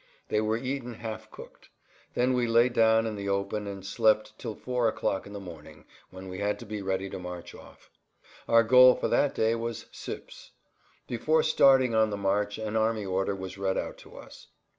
They were eaten half cooked. Then we lay down in the open and slept till four o'clock in the morning when we had to be ready to march off. Our goal for that day was Suippes. Before starting on the march an army order was read out to us.